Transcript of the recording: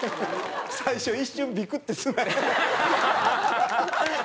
最初一瞬ビクってすなよ！